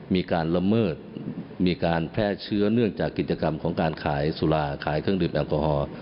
มีการละเมิดมีการแพร่เชื้อเนื่องจากกิจกรรมของการขายสุราขายเครื่องดื่มแอลกอฮอล์